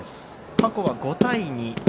過去は５対２。